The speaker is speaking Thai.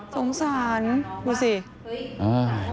สงสารดูสิ